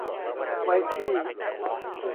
ไว้ที่